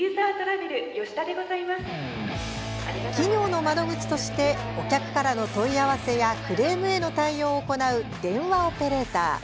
企業の窓口としてお客からの問い合わせやクレームへの対応を行う電話オペレーター。